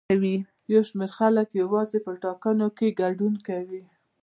یو شمېر خلک یوازې په ټاکنو کې ګډون کوي.